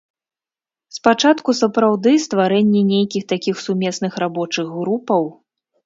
Спачатку, сапраўды, стварэнне нейкіх такіх сумесных рабочых групаў.